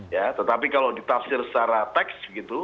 ya tetapi kalau ditafsir secara teks gitu